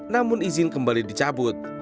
namun izin kembali dicabut